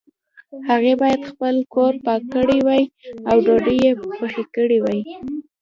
هغې باید خپل کور پاک کړی وای او ډوډۍ یې پخې کړي وای